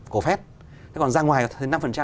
cổ phép thế còn ra ngoài thì năm